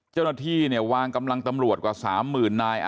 เจ้าหน้าที่เนี่ยวางกำลังตำรวจกว่า๓๐๐๐นาย